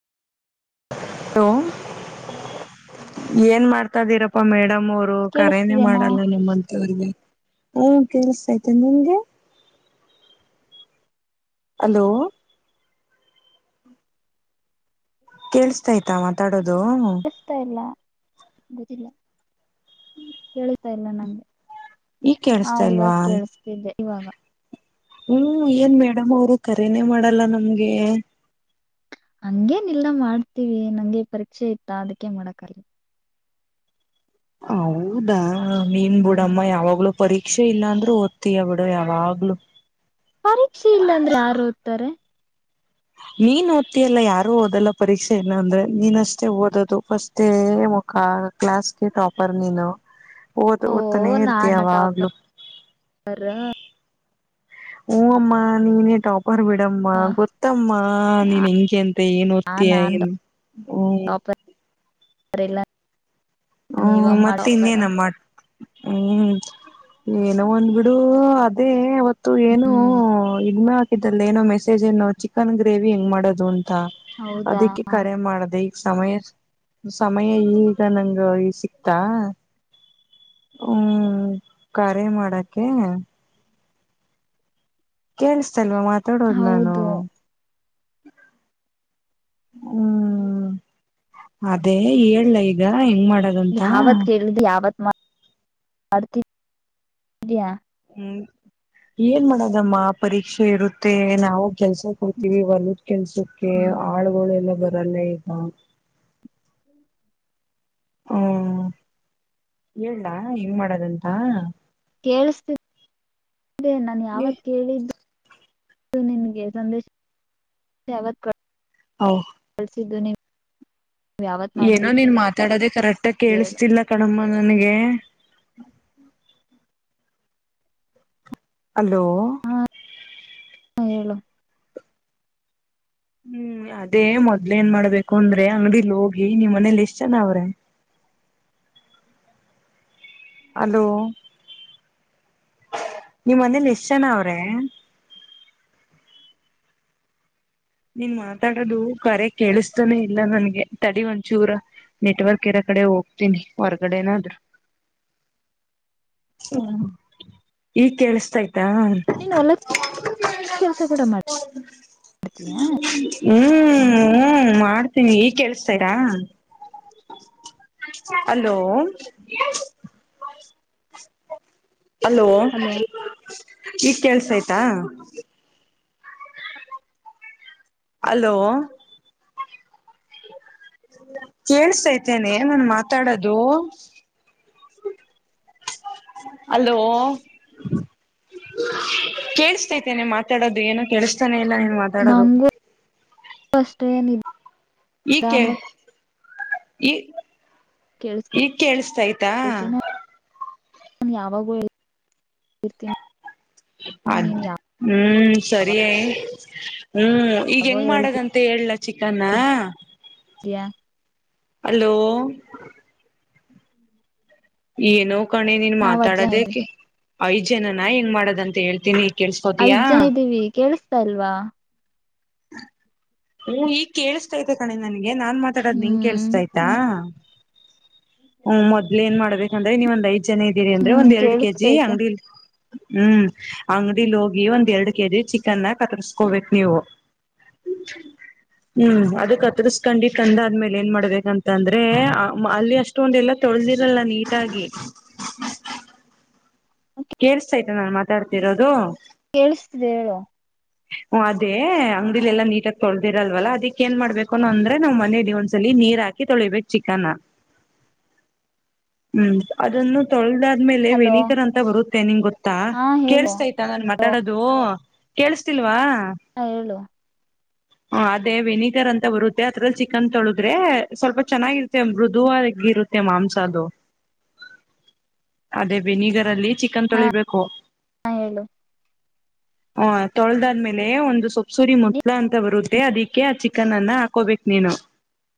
So hello ಏನ್ ಮಾಡ್ ಕರದಿರಪ್ಪಾ ಮೇಡ್ಂ ನಮ್ಮರು ಕರೇನೇ ಕೇಳಿಸ್ತಿದೆೇನಾ ಮಾಡಲ್ಲಾ ನಿಮ್ಮಂತವ್ರಿಗೆ ಹಾ ಕೆಲಸ ಐತಿ ನಿಮ್ಗೆ ಹಲೋ ಕೇಳಸ್ತಾಯ್ತಾ ಮಾತಾಡೋದು ಅದು ಗೊತ್ತಿಲ್ಲಾ ಹೇಳ [inaudible] ಇಲ್ಲಾ ನಂಗೆ ಈಗ ಹಾ ಕೇಳಸ್ತಾ ಇವಾಗ ಇಲ್ವಾ ಕೇಳಿಸ್ತಿದ್ದೆ ಇವಾಗ ಹ್ಮ್ ಏನ್ ಮೇಡಮ್ ಅವರು ಕರೇನೆ ಮಾಡಲ್ಲಾ ನಮಗೆ ಹಂಗೇನ ಇಲ್ಲಾ ಮಾಡ್ತೀವಿ ನಂಗೆ ಪರೀಕ್ಷೆ ಇತ್ತಾ ಅದಕ್ಕೆ ಮಾಡಕ್ಕಾ ಹೌದಾ ಹ ನೀನ್ ಹ್ಮ್ ಬುಡಮ್ಮ ಯಾವಾಗ್ಲೂ ಪರೀಕ್ಷೆ ಇಲ್ಲಾ ಅಂದ್ರು ಓದ್ತೀಯ ಬಿಡು ಯಾವಾಗ್ಲುೂ ಪರೀಕ್ಷೆ ಇಲ್ಲಾಂದ್ರೆ ಯಾರ್ ಓದ್ತಾರೆ ನೀನ್ ಓತಿ ಅಲ್ಲ ಯಾರು ಓದಲ್ಲ ಪರೀಕ್ಷೆ ಏನ ಅಂದ್ರೆ ನೀನಷ್ಟೇ ಓದೋದು ಫಸ್ಟ್ ಮುಖ ಕ್ಲಾಸ್ಗೆ ಟಾಪರ್ ನೀನು ಓದ ಓ ಓದ್ತಾನೇ ಇರ್ತಿಯ ನಾನ್ ಯಾವಾಗ್ಲೂ ಟಾಪರ್ ಹು ಅಮ್ಮ ನೀನೇ ಟಾಪ್ ಅವ್ರಬಿಡಮ್ಮ ಗೊತ್ತಮ್ಮ ನೀನ್ ಹೆಂಗೆ ಅಂತ ಏನ್ ಓದ್ತೀಯಾ ಏನ್ ಮ್ ರಿಲ್ಲ ಹ್ಮ ಮತ್ತೆ ಇನ್ನೇನ ಮಾಡ್ ಹ್ಮ್ ಏನೋ ಒಂದ್ ಬಿಡು ಅದೇ ಅವತ್ತು ಏನು ಹ್ಮ್ ಇದ ಮಾಡ್ ಇದರಲ್ಲಿ ಏನೋ ಮೆಸೇಜ್ ಏನೋ ಚಿಕನ್ ಗ್ರೇವಿ ಹೆಂಗ ಮಾಡೋದು ಉಂತ ಹೌದಾ ಅದಿಕ್ಕೆ ಕರೆ ಮಾಡ್ದೆ ಸಮಯ ಸಮಯ ಈಗ ನಂಗ್ ಸಿಕ್ತಾ ಹ್ಮ್ ಖರೆ ಮಾಡಕೆ ಕೇಳುಸ ಕಡಿಮೆ ಮಾತಾಡೋದು ನಾನು ಹೌದು ಹ್ಮ್ ಅದೇ ಹೇಳಲಾ ಈಗ ಹೆಂಗ್ ಮಾಡ ಯಾವತ್ ಕೇಳಿದ ಯಾವತ್ [unintelligible] ಹ್ಮ್ ಏನ್ ಮಾಡದಮ್ಮ ಪರೀಕ್ಷೆ ಇರುತ್ತೆ ನಾವು ಕೆಲ್ಸ ಕೊಡ್ತೀವಿ ಹೊಲದ್ ಕೆಲ್ಸಕ್ಕೆ ಆಳ್ಗಳೆಲ್ಲ ಬರಲ್ಲ ಈಗ. ಹ್ಮ ಹೇಳಲಾ ಹೆಂಗ ಮಾಡದಂತ. ಕೇಳಿಸ್ತೆ ನನ್ ಎ ಯಾವತ್ ಕೇಳಿದ್ದು ದು ನಿನ್ಗೆ ಸಂದೇಶ ಯಾವತ್ ಓ ಬಳಸಧನ ಏನೋ ನೀನ್ ಮಾತಾಡೋದೆೇ ಕರೆಕ್ಟ್ ಆಗಿ ಹೇಳು ಕೇಳಿಸಸ್ತಿಲ್ಲ ಕಣಮ್ಮ. ನನಗೆ ಹಲೋ. ಹಾ ಹೇಳು ಹ್ಮ್ ಅದೇ ಮೊದ್ಲ ಏನ್ ಮಾಡ್ಬೇಕು ಅಂದ್ರೆ ಅಂಗಡಿಲ್ ಹೋಗಿ ನಿಮ್ ಮನೇಲಿ ಎಷ್ಟ್ ಜನ ಅವ್ರೆ. ಅಲೋ ನಿಮ್ಮ ಮನೇಲಿ ಎಷ್ಟ ಜನ ಅವ್ರೆ. ನೀನ್ ಮಾತಾಡದು ಕರೆ ಕೇಳಿಸತಾನೇ ಇಲ್ಲ ನನ್ಗೆ ತಡಿ ಒಂಚೂರ ನೆಟ್ವರ್ಕ್ ಇರೋ ಕಡೆ ಹೋಗ್ತೀನಿ ಹೊರಗಡೆನಾದ್ರು ಹ ಈಗ್ ಕೇಳಿಸತಾ ನೀನ್ ಹೊಲಕ್ ಕೆಲ್ಸ ಕೂಡ ಮಾಡ ಹ್ಮ್ ಹ್ಮ್ ಮಾಡ್ತೀ. ಈಗ್ ಕೇಳಸ್ತರಾ. ಹಲೋ ಹಲೋ ಈಗ್ ಕೇಳಸ್ತಾ ಆಯ್ತಾ. ಹಲೋ. ಕೇಳಿಸ್ ತೈತೆನೆ ನಾನ ಮಾತಾಡೋದ. ಹೋ ಅಲೋ [inaudible] ಕೇಳಿಸತಾ ಐತೇನೆ ಮತ್ ಮಾತಾಡೋದ ಏನು ಕೆೇಳಿಸತಾನೆ ಇಲ್ಲ. ಮಾತಾಡದು. ಫಸ್ಟ್ ಏನಿ ಈಕೆ ಈ ಈ ಕೇಳಿಸ್ತೈತಿ ಕಳ್ಸ್ತಯ್ತಾ ನಾನು ಯಾವಾಗೂತೀನಿ [inaudible] ಅದ ಹ್ಮ್ ಸರಿ [inaudible] ಹ್ಮ್ ಈಗ ಯಾವಾಗೋ ಹೆಂಗ್ ಹೇಳ್ತಿದೀಯಾ ಮಾಡದಂತೆ ಹೇಳಲ ಚಿಕನ್ನ [inaudible] ಹಲೋ ಏನು ಕಣೆ ನೀನ್ ನಾವ್ ಐದ್ ಜನ ಮಾತಾಡೋದೆ ಇದ್ವಿ ಐದ ಜನನಾ ಏನ್ ಮಾಡದ ಅಂತ ಹೇಳ್ತೀನಿ. ಕೇಳ್ಸ್ಕೋತಯಾ ಐದ್ ಜನ ಇದ್ದೀವಿ ಕೇಳಸ್ತಾ ಈಲ್ವಾ ಹೂ ಈಗ ಕೇಳಿಸಸ್ತಾ ಇತೆ ಕಣೆ ನನಗೆ ಹಾಗೆ ನಾನ್ ಮಾತಾಡೋದು ನಿಂಗ ಹ್ಮ್ ಕೇಳಿಸತಾಯಯ್ತಾ ಹ್ಮ್ ಮೊದ್ಲು ಏನ್ ಮಾಡ್ಬೇಕಂದ್ರೆ ನೀವ ಒಂದ್ ಐದು ಚೆನ್ನಾಗ ಇದೀರಿ ಅಂದ್ರೆ ಹ್ಮ್ ಒಂದ್ ಎರಡು ಕೆಜಿ ಕೇಳಿಸ್ತೈತೆ ಅಂಗಡಿ ಹ್ಮ್ ಅಂಗಡಿಲಿ ಹೋಗಿ ಒಂದ್ ಎರಡ್ ಕೆಜಿ ಚಿಕನ್ನ ಕತ್ರುರ್ಸ್ಕೋಬೇಕ ನೀವು ಹ್ಮ್ ಅದಕ್ತ್ತರ್ಸ್ಕಂಡಿ ಕಂದ ಆದ್ಮೇಲೆ ಏನ್ ಮಾಡ್ಬೇಕಂತ ಅಂದ್ರೆ ಅಲ್ಲಿ ಅಷ್ಟೊಂದ ಎಲ್ಲ ತೊಳೆದಿರಲ್ಲ ನೀಟಾಗಿ ಕೇರ್ಸ ಆಯ್ತ ನಾನ್ ಮಾತಾಡ್ತಿರೋದು ಕೇಳಿಸತಿದೆ ಹೇಳು ಹ ಅದೇ ಅಂಗಡಿಲಿಲ್ಲ ನೀಟಾಗಿ ತೊಳದಿರಲ್ವಲ್ಲ ಅದಿಕ್ ಏನ್ ಮಾಡ್ಬೇಕನ್ನ ಅಂದ್ರೆ ನಾವ್ ಮನಲಿ ಒಂದ್ಸಲ ನೀರ್ ಹಾಕಿ ತೊಳಿಬೇಕ ಚಿಕನ ಹ್ಮ್ ಅದನ್ನು ತೊಳೆದ ಅ್ಮಲೆ ಹಲೋ ವೆನಿಗರ್ ಅಂತ ಬರುತ್ತೆ ನಿಂಗ ಗೊತ್ತಾ ಹಾ ಹೇಳು ಕೇಳಳ್ಸ್ತಾಯ್ತ ನಾನನ್ ಮಾತಾಡೋದು ಕೇಳಿಸ್ತಾ ಲ್ವಾ ಹಾ ಹೇಳು ಹ ಅದೇ ವೆನಿಗರ್ ಅಂತ ಬರುತ್ತೆ ಅದ್ರಲ್ಲಿ ಚಿಕನ್ ತೊಳದ್ರೆ ಸ್ವಲ್ಪ ಚೆನ್ನಾಗಿರುತ್ತೆ ಮೃದುವಾಗಿ ಇರುತ್ತೆ ಮಾಂಸ ಅದು ಅದೇ ವೆನಿಗರ್ ಅಲ್ಲಿ ಚಿಕನ್ ತೊಳಿಬೇಕು ಹಾ ಏಳು ಹ ತೊಳೆದಾದ್ಮೇಲೆ ಒಂದು ಸೊಪ್ಸುರಿ ಮುಟ್ಳ ಅಂತ ಬರುತ್ತೆ ಅದಿಕ್ಕೆ ಆ ಚಿಕನ್ ಅನ್ನ ಹಾಕೋಬೇಕ ನೀನು